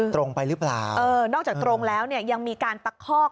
ตรงไปหรือเปล่าเออนอกจากตรงแล้วเนี่ยยังมีการตะคอก